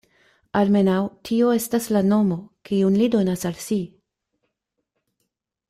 Almenaŭ tio estas la nomo, kiun li donas al si.